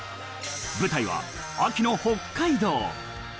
舞台は秋の北海道。